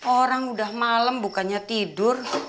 orang udah malam bukannya tidur